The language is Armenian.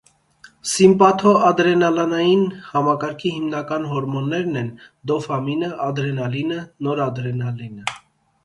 Սիմպաթոադրենալային համակարգի հիմնական հորմոններն են՝ դոֆամինը, ադրենալինը, նորադրենալինը։